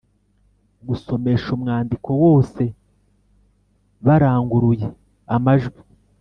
Gusomesha umwandiko wose baranguruye amajwi